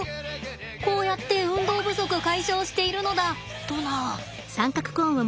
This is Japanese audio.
こうやって運動不足解消しているのだとな。